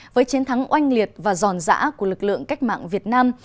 với chiến thắng oanh liệt và giòn giã của lực lượng cách mạng việt nam